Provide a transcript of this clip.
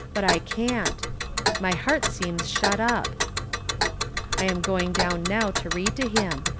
But I can't. My heart seems shut up. I am going down now to read to him.